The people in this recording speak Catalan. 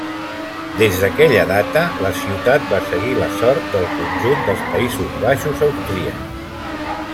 Des d'aquella data, la ciutat va seguir la sort del conjunt dels Països Baixos austríacs.